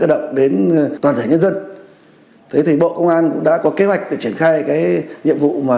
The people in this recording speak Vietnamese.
động đến toàn thể nhân dân thế thì bộ công an cũng đã có kế hoạch để triển khai cái nhiệm vụ mà